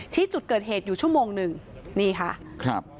ที่จุดเกิดเหตุอยู่ชั่วโมงหนึ่งนี่ค่ะครับ